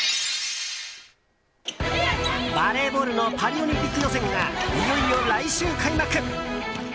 バレーボールのパリオリンピック予選がいよいよ来週開幕！